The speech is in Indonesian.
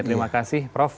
terima kasih prof